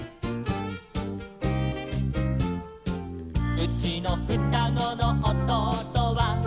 「うちのふたごのおとうとは」